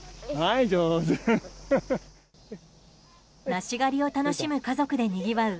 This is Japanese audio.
梨狩りを楽しむ家族でにぎわう